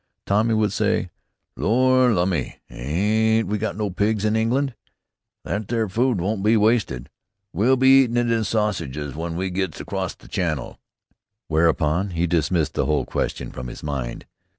Tommy would say, "Lor, lummy! Ain't we got no pigs in England? That there food won't be wasted. We'll be eatin' it in sausages w'en we goes acrost the Channel"; whereupon he dismissed the whole question from his mind.